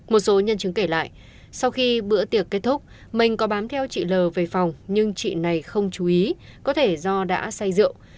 một số nhân chứng kể lại sau khi bữa tiệc kết thúc mình có bám theo chị l về phòng nhưng chị này không chú ý có thể do đã say rượu